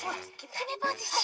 きめポーズして。